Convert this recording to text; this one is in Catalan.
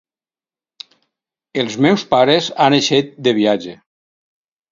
Els meus pares han eixit de viatge.